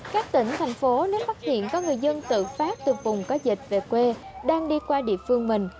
các tỉnh thành phố nếu phát hiện có người dân tự phát từ vùng có dịch về quê đang đi qua địa phương mình